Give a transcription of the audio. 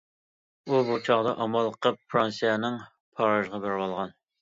ئۇ بۇ چاغدا ئامال قىلىپ فىرانسىيەنىڭ پارىژغا بېرىۋالغان.